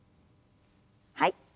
はい。